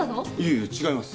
いいえ違います。